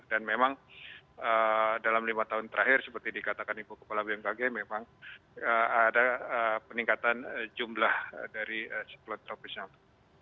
dan memang dalam lima tahun terakhir seperti dikatakan ibu kepala bmkg memang ada peningkatan jumlah dari siklon tropis yang terjadi